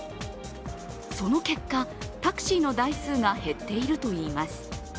その結果、タクシーの台数が減っているといいます。